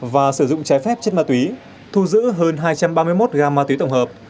và sử dụng trái phép chất ma túy thu giữ hơn hai trăm ba mươi một gam ma túy tổng hợp